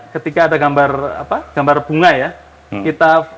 ketika ada gambar bunga ya